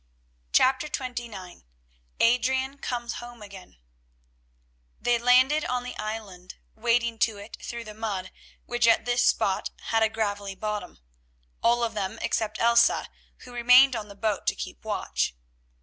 CHAPTER XXIX ADRIAN COMES HOME AGAIN They landed on the island, wading to it through the mud, which at this spot had a gravelly bottom; all of them except Elsa, who remained on the boat to keep watch.